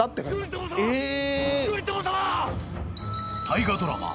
［大河ドラマ